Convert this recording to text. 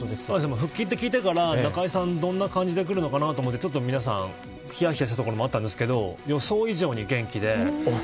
復帰って聞いてから中居さん、どういう感じでくるのかと思って皆さんひやひやしたところもあったんですけど予想以上に元気で。